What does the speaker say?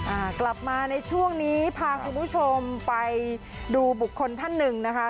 อ่ากลับมาในช่วงนี้พาคุณผู้ชมไปดูบุคคลท่านหนึ่งนะคะ